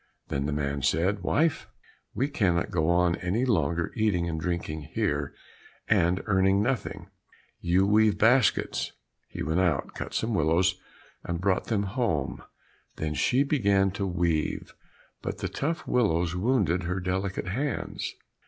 Then the man said, "Wife, we cannot go on any longer eating and drinking here and earning nothing. You weave baskets." He went out, cut some willows, and brought them home. Then she began to weave, but the tough willows wounded her delicate hands.